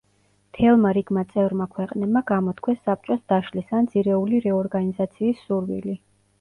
მთელმა რიგმა წევრმა ქვეყნებმა გამოთქვეს საბჭოს დაშლის ან ძირეული რეორგანიზაციის სურვილი.